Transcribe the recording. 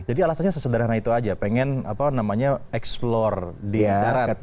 jadi alasannya sesederhana itu aja pengen apa namanya eksplor di darat gitu ya